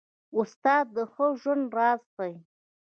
استاد د ښه ژوند راز ښيي.